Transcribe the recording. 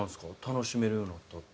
楽しめるようになったって。